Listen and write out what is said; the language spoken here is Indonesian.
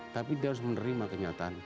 tapi dia harus menerima kenyataan